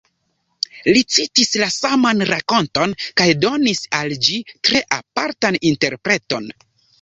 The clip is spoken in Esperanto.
Li citis la saman rakonton kaj donis al ĝi tre apartan interpreton.